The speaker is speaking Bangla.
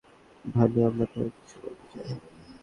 ভানু, আমরা তোমাকে কিছু বলতে চাই।